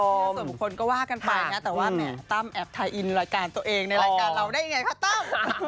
เป็นความเชื่อส่วนบุคคลก็ว่ากันไปนะแต่ว่าตั้มแอบทีไอน์ร้ายการตัวเองในรายการเราได้ไงคะตั้ม